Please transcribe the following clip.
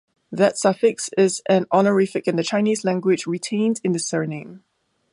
That suffix is an honorific in the Chinese language retained in the surname.